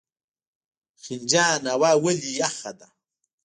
خنجان هوا ولې یخه ده؟